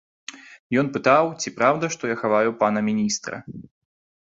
Ён пытаў, ці праўда, што я хаваю пана міністра.